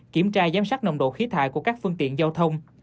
kiểm tra giám sát nồng độ khí thải của các phương tiện giao thông